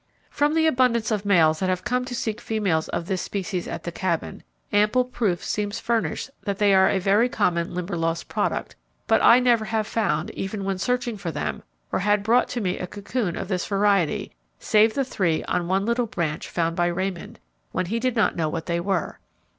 From the abundance of males that have come to seek females of this species at the Cabin, ample proof seems furnished that they are a very common Limberlost product; but I never have found, even when searching for them, or had brought to me a cocoon of this variety, save the three on one little branch found by Raymond, when he did not know what they were.